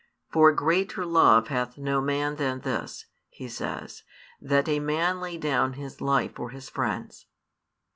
For greater love hath no man than this, He says, that a man lay down His life for His friends.